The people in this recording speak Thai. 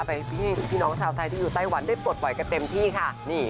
ให้พี่น้องชาวไทยที่อยู่ไต้หวันได้ปลดปล่อยกันเต็มที่ค่ะ